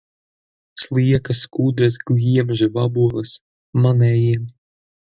Sliekas, skudras, gliemeži, vaboles - manējie.